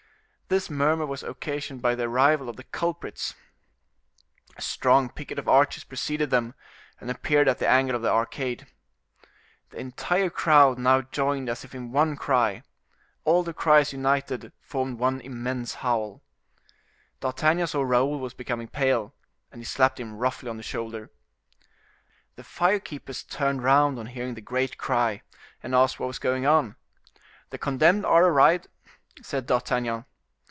This murmur was occasioned by the arrival of the culprits; a strong picket of archers preceded them, and appeared at the angle of the arcade. The entire crowd now joined as if in one cry; all the cries united formed one immense howl. D'Artagnan saw Raoul was becoming pale, and he slapped him roughly on the shoulder. The fire keepers turned round on hearing the great cry, and asked what was going on. "The condemned are arrived," said D'Artagnan.